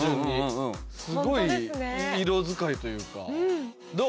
うんすごい色使いというかどう？